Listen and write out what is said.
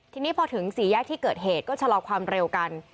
ทีนี้พอถึงสี่แยกที่เกิดเหตุก็ชะลอความเร็วกัน